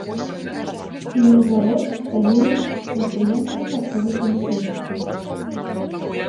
Ільнозавод, цагельня, прадпрыемствы харчовай прамысловасці.